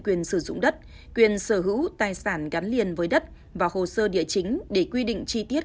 quyền sử dụng đất quyền sở hữu tài sản gắn liền với đất và hồ sơ địa chính để quy định chi tiết